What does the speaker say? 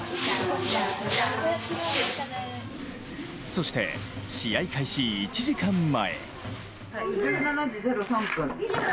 そして、試合開始１時間前。